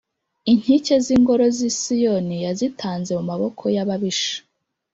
Inkike z’ingoro z’i Siyoni yazitanze mu maboko y’ababisha.